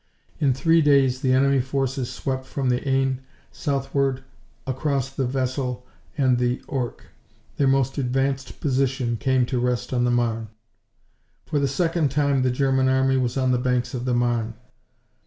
In three days the enemy forces swept from the Aisne southward across the Vesle and the Ourcq. Their most advanced position came to rest on the Marne. For the second time the German army was on the banks of the Marne.